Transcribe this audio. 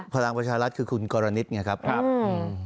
ภรรางประชารัฐคือคุณกำหนิตไงครับครับอืม